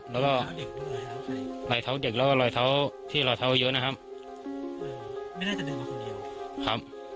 แล้วก็รอยเท้าเด็กแล้วก็รอยเท้าที่รอยเท้าเยอะนะครับ